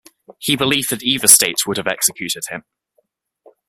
He believed that either state would have executed him.